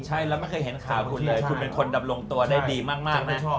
ใช่แล้วไม่เคยเห็นข่าวคุณเลยคุณเป็นคนดำรงตัวได้ดีมากไม่ชอบ